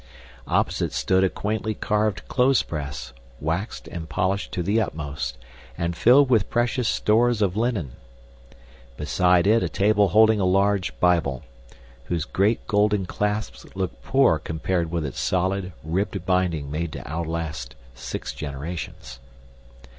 Opposite stood a quaintly carved clothespress, waxed and polished to the utmost and filled with precious stores of linen; beside it a table holding a large Bible, whose great golden clasps looked poor compared with its solid, ribbed binding made to outlast six generations.